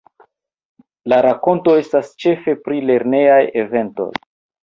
La rakonto estas ĉefe pri lernejaj eventoj.